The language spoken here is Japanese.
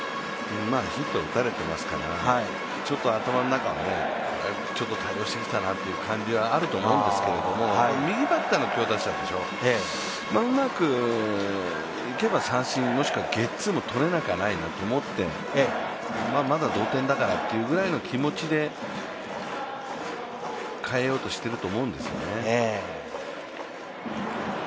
ヒット打たれていますから、頭の中は、対応してきたなという感じはあると思うんですけど、右バッターの強打者でしょう、うまくいけば三振、ゲッツー、まだ同点だからというぐらいの気持ちで変えようとしていると思うんですよね。